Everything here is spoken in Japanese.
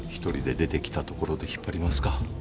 １人で出てきたところで引っ張りますか。